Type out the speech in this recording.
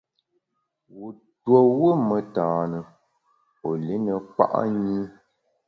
Wu tuo wù metane, wu li ne kpa’ nyi.